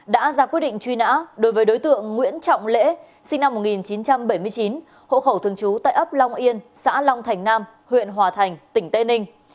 đã ra quyết định truy nã đối với đối tượng nguyễn trọng lễ sinh năm một nghìn chín trăm bảy mươi chín hộ khẩu thường trú tại ấp long yên xã long thành nam huyện hòa thành tỉnh tây ninh